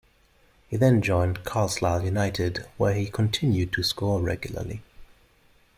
He then joined Carlisle United where he continued to score regularly.